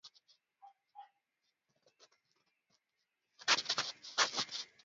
Mtu kwenda sipitali, ni kutojuwa yakini,